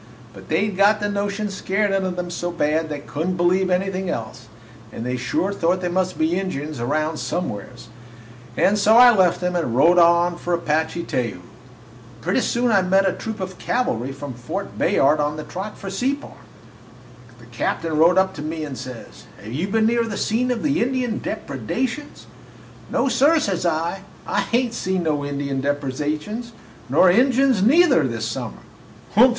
"But they 'd got the notion scared into them so bad they could n't believe anything else, and they sure thought there must be Injuns around somewheres; and so I left 'em and rode on for Apache Teju. Pretty soon I met a troop of cavalry from Fort Bayard on the trot for Separ. The captain rode up to me and says, 'Have you been near the scene of the Indian depredations?' "'No, sir,' says I, 'I hain't seen no Injun depredations, nor Injuns neither, this summer.' "'Humph!'